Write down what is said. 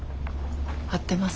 合ってます。